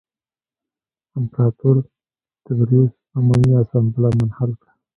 امپراتور تبریوس عمومي اسامبله منحل کړه